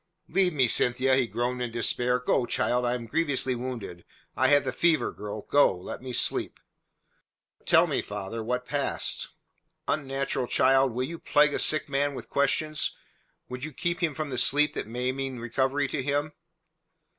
"Leave me, Cynthia," he groaned in despair. "Go, child. I am grievously wounded. I have the fever, girl. Go; let me sleep." "But tell me, father, what passed." "Unnatural child," whined Gregory feebly, "will you plague a sick man with questions? Would you keep him from the sleep that may mean recovery to him?"